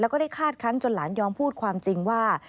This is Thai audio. แล้วก็ได้คาดคันจนหลานยอมพูดความจริงว่า